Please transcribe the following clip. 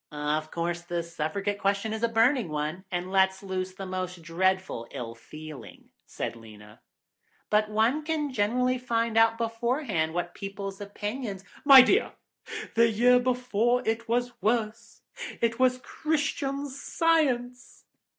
"Of course the Suffragette question is a burning one, and lets loose the most dreadful ill feeling," said Lena; "but one can generally find out beforehand what people's opinions—" "My dear, the year before it was worse. It was Christian Science.